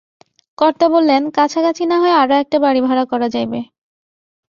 কর্তা বলেন, কাছাকাছি নাহয় আরো একটা বাড়ি ভাড়া করা যাইবে।